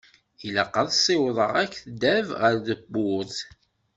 Ilaq ad ssiwḍeɣ akeddab ar tewwurt.